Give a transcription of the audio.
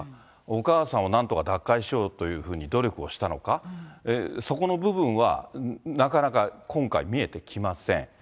お母さんをなんとか脱会しようというふうに努力をしたのか、そこの部分はなかなか今回見えてきません。